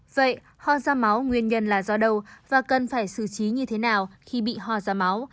vậy hoa da máu nguyên nhân là do đâu và cần phải xử trí như thế nào khi bị hoa da máu